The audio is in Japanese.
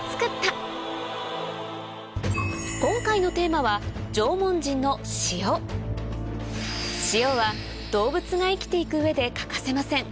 今回のテーマは縄文人の塩塩は動物が生きて行く上で欠かせません